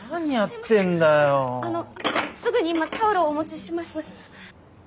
あのすぐに今タオルをお持ちします。